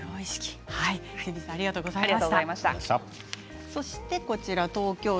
末光さんありがとうございました。